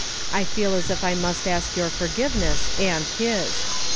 I fed as if I must ask your forgiveness and his.